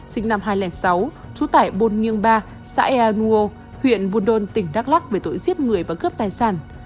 sinh năm hai nghìn sáu trú tại bồn nương ba xã ea nuô huyện buôn đôn tỉnh đắk lắc về tội giết người và cướp tài sản